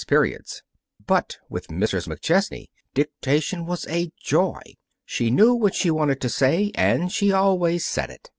's periods. But with Mrs. McChesney, dictation was a joy. She knew what she wanted to say and she always said it.